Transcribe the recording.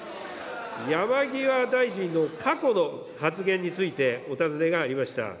山際大臣の過去の発言について、お尋ねがありました。